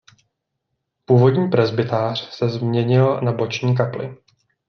Původní presbytář se změnil na boční kapli.